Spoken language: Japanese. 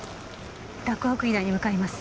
洛北医大に向かいます。